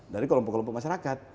dari kelompok kelompok masyarakat